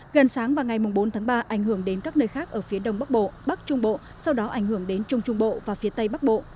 gần sáng và ngày bốn tháng ba ảnh hưởng đến các nơi khác ở phía đông bắc bộ bắc trung bộ sau đó ảnh hưởng đến trung trung bộ và phía tây bắc bộ